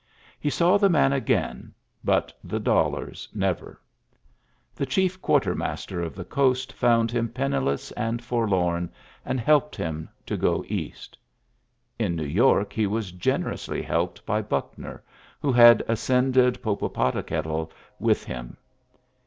He s the man again, but the dollars nev The chief quartermaster of the oo found him penniless and forlorn, s helped him to go East In New T< he was generously helped by Buckn who had ascended Popocatapetl w him.